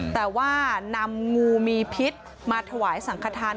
แต่ว่านำงูมีพิษมาถวายสังขทาน